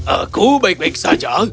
aku baik baik saja